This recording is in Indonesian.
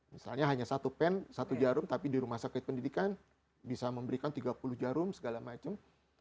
misalnya hanya satu pen satu jarum tapi di rumah sakit pendidikan bisa memberikan tiga puluh jarum segala macam